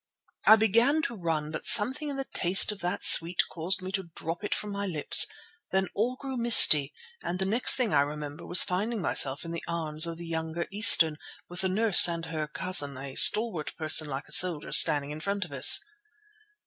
"I began to run, but something in the taste of that sweet caused me to drop it from my lips. Then all grew misty, and the next thing I remember was finding myself in the arms of the younger Eastern, with the nurse and her 'cousin,' a stalwart person like a soldier, standing in front of us.